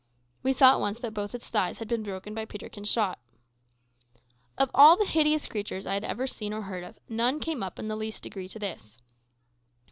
We saw at once that both its thighs had been broken by Peterkin's shot. Of all the hideous creatures I had ever seen or heard of, none came up in the least degree to this.